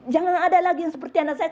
jangan ada lagi yang seperti anak saya